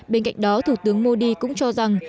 bên cạnh đó thủ tướng modi cũng cho rằng